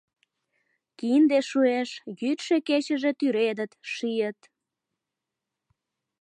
Кинде шуэш, йӱдшӧ-кечыже тӱредыт, шийыт.